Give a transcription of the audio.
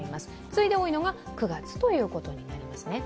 次いで多いのが９月ということになりますね。